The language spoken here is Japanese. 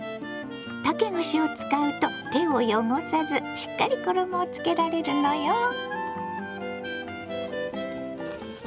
竹串を使うと手を汚さずしっかり衣をつけられるのよ。